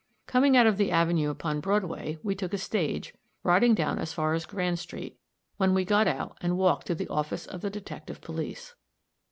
Coming out of the avenue upon Broadway we took a stage, riding down as far as Grand street, when we got out and walked to the office of the detective police.